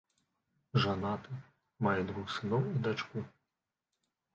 Жанаты, мае двух сыноў і дачку.